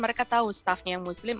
mereka tahu staffnya yang muslim